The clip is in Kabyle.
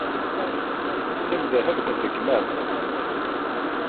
D timdehhebt n lekmam.